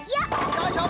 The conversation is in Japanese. よいしょ。